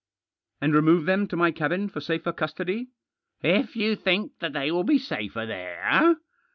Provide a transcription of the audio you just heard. " And remove them to my cabin for safer custody ?"" IF you think that they will be safer there.